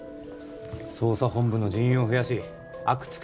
捜査本部の人員を増やし阿久津